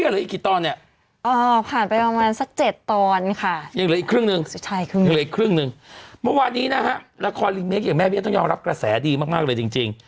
อีกครึ่งนึงอีกครึ่งนึงเมื่อวานี้นะฮะละครลิมเมคอย่างแม่เบี้ยต้องยอมรับกระแสดีมากเลยจริง